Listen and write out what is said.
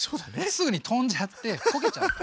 すぐにとんじゃって焦げちゃうの。